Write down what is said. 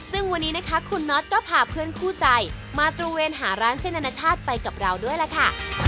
ซึ่งวันนี้นะคะคุณน็อตก็พาเพื่อนคู่ใจมาตระเวนหาร้านเส้นอนาชาติไปกับเราด้วยล่ะค่ะ